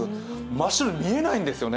真っ白、見えないんですよね。